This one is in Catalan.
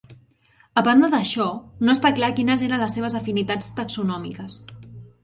A banda d'això, no està clar quines eren les seves afinitats taxonòmiques.